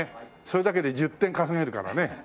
それだけで１０点稼げるからね。